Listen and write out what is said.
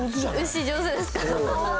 牛上手ですか？